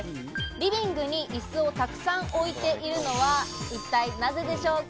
リビングにイスを沢山置いているのは、一体なぜでしょうか。